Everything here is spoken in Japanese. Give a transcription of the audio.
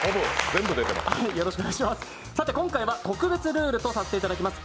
今回は特別ルールとさせていただきます。